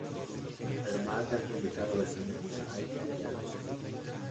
Además, se han publicado versiones para iPad y Android.